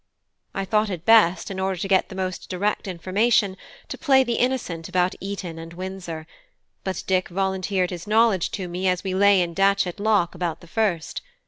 I thought it best, in order to get the most direct information, to play the innocent about Eton and Windsor; but Dick volunteered his knowledge to me as we lay in Datchet lock about the first.